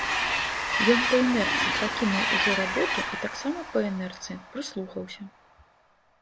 Ён па інерцыі пакінуў ужо работу і таксама па інерцыі прыслухаўся.